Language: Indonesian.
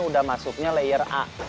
udah masuknya layer a